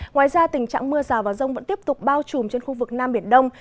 ngoài ra tình trạng mưa rào và rông vẫn tiếp tục bao trùm trên khu vực nam biển đông